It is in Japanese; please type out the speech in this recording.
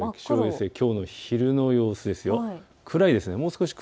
きょうの昼の様子です。